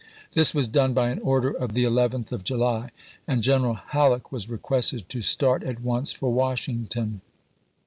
This was done by an order of the 11th of July, and General Halleck was requested to start at isea. once for Washington.